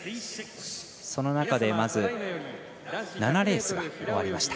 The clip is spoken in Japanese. その中で、まず７レースが終わりました。